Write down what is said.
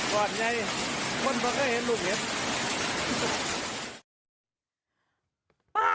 กว่าไหนมันบอกให้เห็นลูกเห็บ